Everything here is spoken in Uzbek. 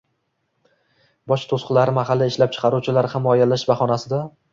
Boj to‘siqlari mahalliy ishlab chiqaruvchilarni himoyalash bahonasida